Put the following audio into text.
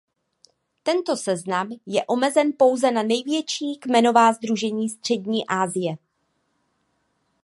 Tento seznam je omezen pouze na největší kmenová sdružení Střední Asie.